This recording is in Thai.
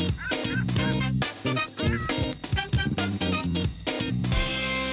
มค